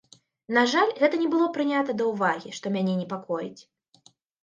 На жаль, гэта не было прынята да ўвагі, што мяне непакоіць.